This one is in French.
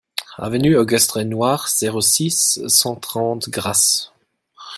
Avenue Auguste Renoir, zéro six, cent trente Grasse